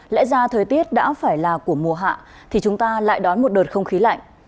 lẽ ra thời tiết đã phải là của mùa hạ thì chúng ta lại đón một đợt không khí lạnh